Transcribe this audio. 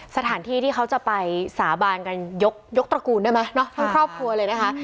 สถานที่ที่เขาจะไปสาบานกันยกตระกูลได้ไหมเนาะทั้งครอบครัวเลยนะคะ